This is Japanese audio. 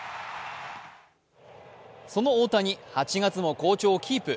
その大谷、８月も好調をキープ。